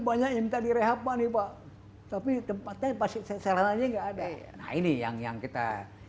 banyak yang minta direhap pak nih pak tapi tempatnya pasti selananya nggak ada ini yang yang kita